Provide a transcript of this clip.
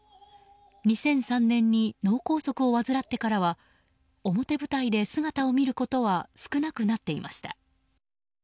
２００３年に脳梗塞を患ってからは表舞台で姿を見ることは少なくなっていました。